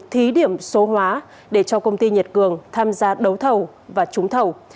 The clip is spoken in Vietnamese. thí điểm số hóa để cho công ty nhật cường tham gia đấu thầu và trúng thầu